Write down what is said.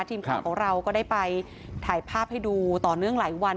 ทีมข่าวของเราก็ได้ไปถ่ายภาพให้ดูต่อเนื่องหลายวัน